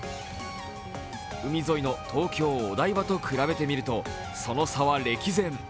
海沿いの東京・お台場と比べてみると、その差は歴然。